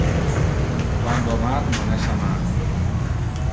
Quando amar non es amar.